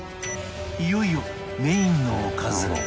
いよいよメインのおかずへ